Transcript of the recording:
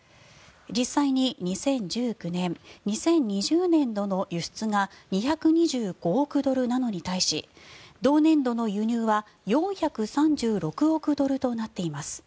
実際に２０１９年２０２０年度の輸出が２２５億ドルなのに対し同年度の輸入は４３６億ドルとなっています。